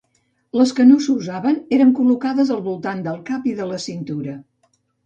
Les que no s'usaven eren col·locades al voltant del cap i de la cintura.